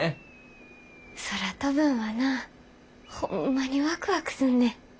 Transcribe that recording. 空飛ぶんはなホンマにワクワクすんねん。